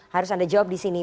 harus anda jawab di sini